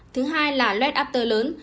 thứ hai là lết after lớn